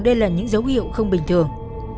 đây là những dấu hiệu không bình thường